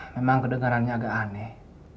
memang kedengarannya agak aneh